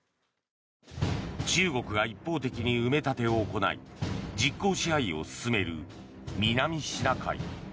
中国が一方的に埋め立てを行い実効支配を進める南シナ海。